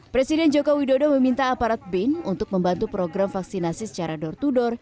presiden joko widodo meminta aparat bin untuk membantu program vaksinasi secara door to door